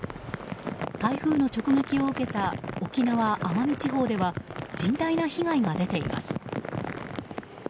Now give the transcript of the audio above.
台風の直撃を受けた沖縄・奄美地方では甚大な被害が出ています。